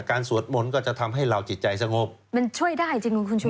การสวดหมนก็จะทำให้เราจิตใจสงบมันช่วยได้จริงคุณคุณช่วย